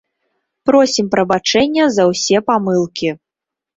Просім прабачэння за ўсе памылкі.